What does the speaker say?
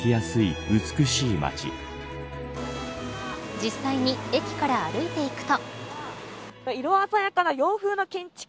実際に駅から歩いていくと。